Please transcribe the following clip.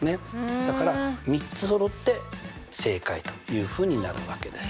だから３つそろって正解というふうになるわけです。